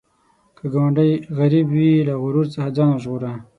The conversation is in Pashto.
که ګاونډی غریب وي، له غرور څخه ځان وژغوره